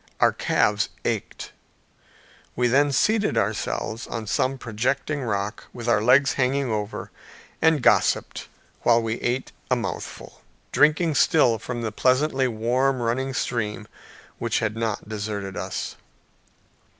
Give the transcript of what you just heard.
Our calves ached. We then seated ourselves on some projecting rock with our legs hanging over, and gossiped while we ate a mouthful drinking still from the pleasantly warm running stream which had not deserted us.